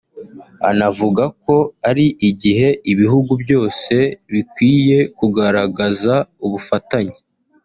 anavuga ko ari igihe ibihugu byose bikwiye kugaragaza ubufatanye